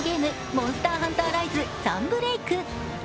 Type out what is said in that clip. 「モンスターハンターライズ：サンブレイク」。